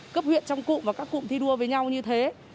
cấp huyện trong cụm và các cụm thi đua với nhau như thế